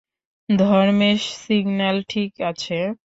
Dharmesh, signal ঠিক আছে?